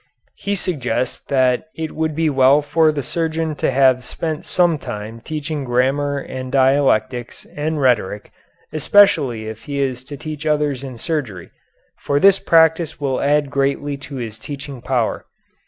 He suggests that it would be well for the surgeon to have spent some time teaching grammar and dialectics and rhetoric, especially if he is to teach others in surgery, for this practice will add greatly to his teaching power.